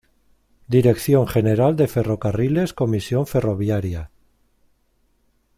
Dirección General de Ferrocarriles Comisión Ferroviaria.